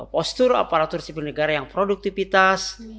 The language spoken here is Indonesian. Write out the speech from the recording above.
postur aparatur sipil negara yang produktivitas